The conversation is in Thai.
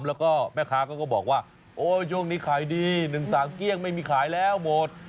แล้วก็แม่ค้าก็บอกว่าโอ้ช่วงนี้ขายดี๑๓เกลี้ยงไม่มีขายแล้วหมด